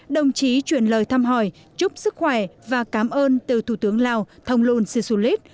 đồng chí chuyển lời thăm hỏi chúc sức khỏe và cảm ơn từ thủ tướng lào thông luân si su lít